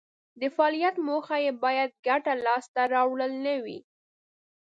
د فعالیت موخه یې باید ګټه لاس ته راوړل نه وي.